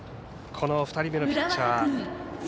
２人目のピッチャー